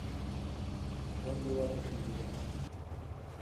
Чон йӱлатыше ӱдыр-шамыч.